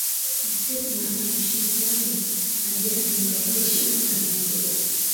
Na kusema maana ya ushirikiano na jirani aiyeheshimu maneno